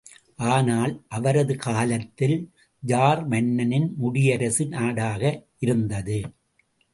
ஆனால், அவரது காலத்தில் ஜார் மன்னனின் முடியரசு நாடாக இருந்தது.